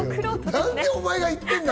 なんでお前が言ってんだ！